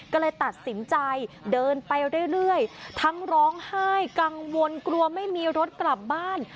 ก็เลยตัดสินใจเดินไปเรื่อยทั้งร้องไห้กังวลกลัวไม่มีรถกลับบ้าน